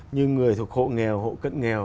như người thuộc hộ nghèo hộ cận nghèo